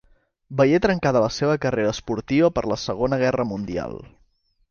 Veié trencada la seva carrera esportiva per la Segona Guerra Mundial.